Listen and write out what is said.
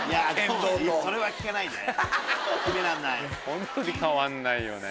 本当に変わんないよね。